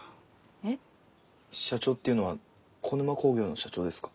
えっ？社長っていうのは小沼工業の社長ですか？